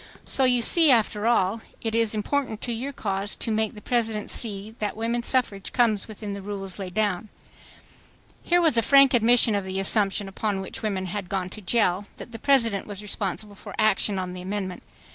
_So you see after all it is important to your cause to make the President see that woman suffrage comes within the rules laid down._" Italics are mine. Here was a frank admission of the assumption upon which women had gone to jail—that the President was responsible for action on the amendment.